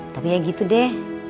tapi ya gitu deh